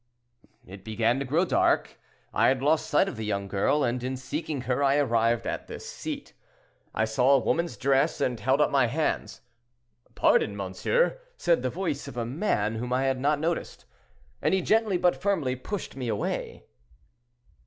"It began to grow dark; I had lost sight of the young girl, and in seeking her I arrived at this seat. I saw a woman's dress, and held out my hands. 'Pardon, monsieur,' said the voice of a man whom I had not noticed, and he gently but firmly pushed me away."